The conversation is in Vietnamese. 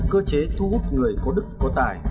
cơ chế thu hút người có đức có tài